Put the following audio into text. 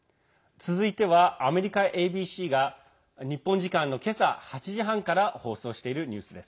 続いては、アメリカＡＢＣが日本時間の今朝８時半から放送しているニュースです。